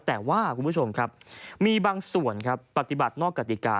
แต่ว่ามีบางส่วนปฏิบัตินอกกติกา